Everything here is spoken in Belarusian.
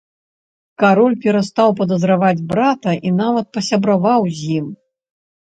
Кароль перастаў падазраваць брата і нават пасябраваў з ім.